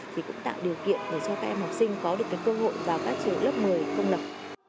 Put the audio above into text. thì cũng tạo điều kiện để cho các em học sinh có được cái cơ hội vào các trường lớp một mươi công lập